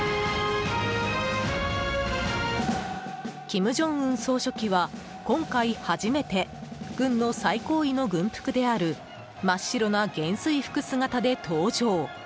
金正恩総書記は、今回初めて軍の最高位の軍服である真っ白な元帥服姿で登場。